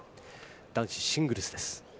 男子シングルスです。